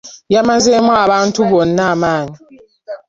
Yamazeemu abantu bonna amaanyi.